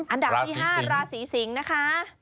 อันดับที่๕ราศีสิงศ์นะคะ